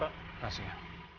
terima kasih ya